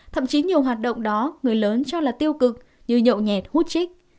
thậm chí nhiều hoạt động đó người lớn cho là tiêu cực như nhậu nhẹt hút chích